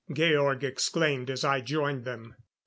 Georg exclaimed as I joined them.